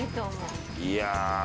いや。